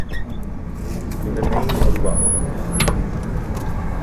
In the Name of Love.